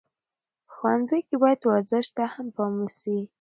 په ښوونځیو کې باید ورزش ته هم پام وسي.